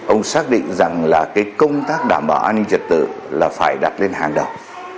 ông xác định rằng là cái công tác đảm bảo an ninh trật tự là phải đặt lên hàng đầu